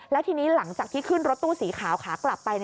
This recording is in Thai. แล้วทีนี้หลังจากที่ขึ้นรถตู้สีขาวขากลับไป